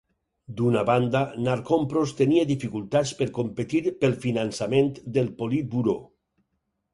D'una banda, Narkompros tenia dificultats per competir pel finançament del Politburó.